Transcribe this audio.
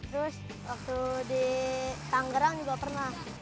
terus waktu di tanggerang juga pernah